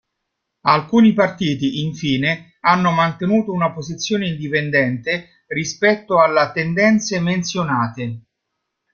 Alcuni partiti, infine, hanno mantenuto una posizione indipendente rispetto alla tendenze menzionate.